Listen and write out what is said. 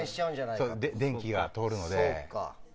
電気が通るので。